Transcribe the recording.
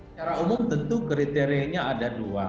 secara umum tentu kriterianya ada dua